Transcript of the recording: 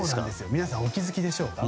皆さんお気づきでしょうか。